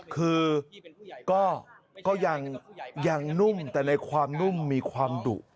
คือก็ยังนุ่มแต่ในความนุ่มมีความดุ